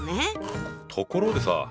ところでさ